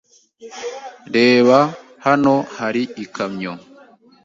Reba! Hano hari ikamyo!